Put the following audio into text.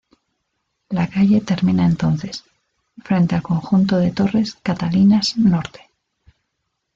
La calle termina entonces, frente al conjunto de torres Catalinas Norte.